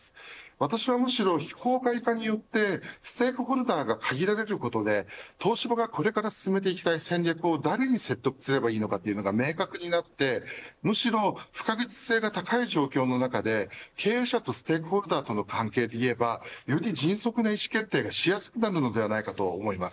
私はむしろ非公開化によってステークホルダーが限られることで東芝がこれから進めていきたい戦略を誰に説得すればいいかというのが明確になってむしろ不確実性が高い状況の中で経営者とステークホルダーの関係でいえばより迅速な意思決定がしやすくなるのではないかと思います。